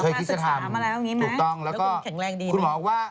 เคยคิดจะทำอยู่แล้ว